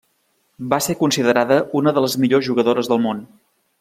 Va ser considerada una de les millors jugadores del món.